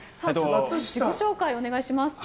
自己紹介をお願いします。